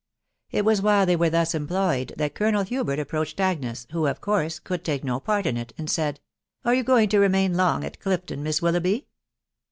It was while they were thus employed that Colonel Hubert approached Agnes, who, of course, could take no part in it, and said, .... "Are you going to remain long at Clifton, Miss Willoughby?